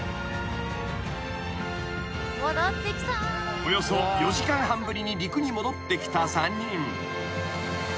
［およそ４時間半ぶりに陸に戻ってきた３人］